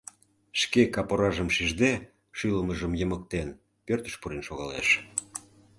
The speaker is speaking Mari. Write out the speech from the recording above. Шке кап оражым шижде, шӱлымыжым йымыктен, пӧртыш пурен шогалеш.